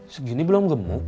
segini belum gemuk